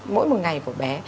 mỗi một ngày của bé